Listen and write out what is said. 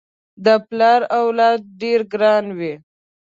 پر پلار اولاد ډېر ګران وي